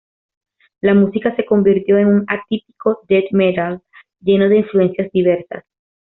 La música se convirtió en un atípico Death Metal lleno de influencias diversas.